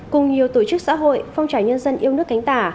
cùng nhiều tổ chức xã hội phong trải nhân dân yêu nước cánh tả